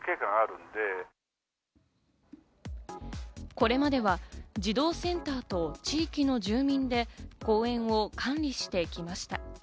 これまでは児童センターと地域の住民で、公園を管理してきました。